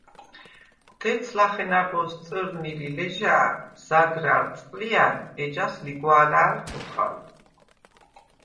დეც ლახე ნა̈ბოზს წჷრნი ლი ლეჟა̄̈ნ, ზაგრა̈რ წყჷლჲა̈ნ, ეჯას ლიგვა̄ლა̄̈ლ ხოხალ.